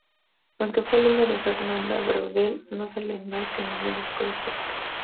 Aunque fue alumno de Fernand Braudel, no se le enmarca en ninguna escuela histórica.